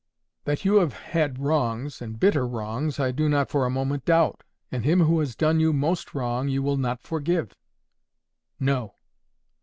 "That you have had wrongs, and bitter wrongs, I do not for a moment doubt. And him who has done you most wrong, you will not forgive." "No."